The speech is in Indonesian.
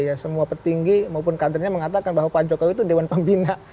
ketua kata yang tertinggi maupun kadernya mengatakan bahwa pak jokowi itu dewan pembina